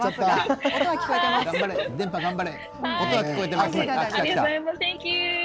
電波、頑張れ。